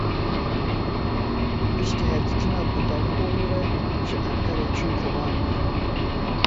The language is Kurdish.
Piştî hevdîtina bi Davutoglu re ji Enqereyê çûn Kobaniyê.